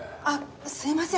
すみません